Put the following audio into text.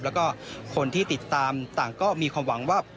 แล้วก็คนที่ติดตามต่างก็มีความหวังว่า